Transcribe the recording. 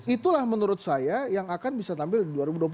itulah menurut saya yang akan bisa tampil di dua ribu dua puluh empat